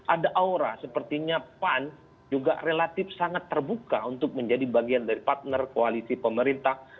ada aura sepertinya pan juga relatif sangat terbuka untuk menjadi bagian dari partner koalisi pemerintah